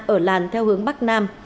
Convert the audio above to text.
ở làn theo hướng bắc nam